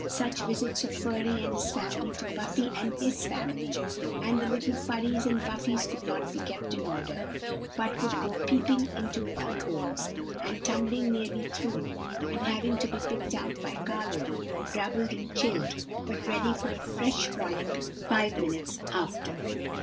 Such visits of 'Furry' and his family to 'Buffy' and his family, when the little 'Furrys' and 'Buffys' could not be kept in order, but would go peeping into bungholes, and tumbling nearly through, and having to be picked out by Carlo, drabbled and chilled, but ready for a fresh frolic five minutes after!